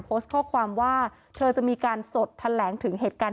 โพสต์ข้อความว่าเธอจะมีการสดแถลงถึงเหตุการณ์